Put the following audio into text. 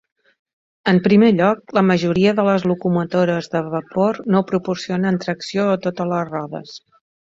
En primer lloc, la majoria de les locomotores de vapor no proporcionen tracció a totes les rodes.